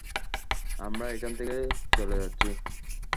আমরা এখান থেকে চলে যাচ্ছি।